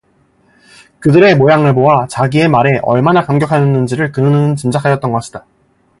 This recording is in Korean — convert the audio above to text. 그들의 모양을 보아 자기의 말에 얼마나 감격 하였는지를 그는 짐작하였던 것이다.